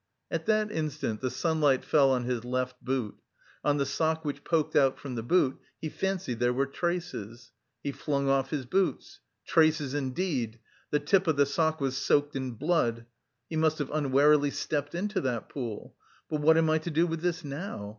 At that instant the sunlight fell on his left boot; on the sock which poked out from the boot, he fancied there were traces! He flung off his boots; "traces indeed! The tip of the sock was soaked with blood;" he must have unwarily stepped into that pool.... "But what am I to do with this now?